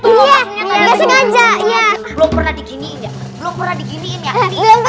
enggak sengaja ya belum pernah dikiniin belum pernah dikiniin ya